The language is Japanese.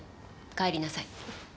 帰りなさい。